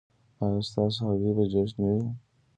ایا ستاسو هګۍ به جوش نه وي؟